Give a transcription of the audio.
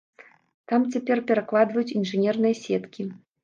Там цяпер перакладваюць інжынерныя сеткі.